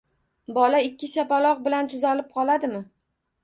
Bola ikki shapaloq bilan tuzalib qoladimi?